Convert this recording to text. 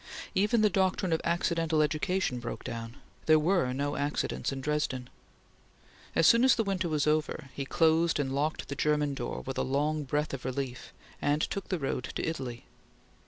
Even the doctrine of accidental education broke down. There were no accidents in Dresden. As soon as the winter was over, he closed and locked the German door with a long breath of relief, and took the road to Italy.